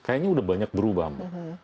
kayaknya udah banyak berubah mbak